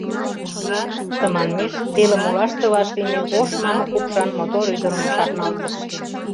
Тыманмеш телым олаште вашлийме ош мамык упшан мотор ӱдырым шарналтыш.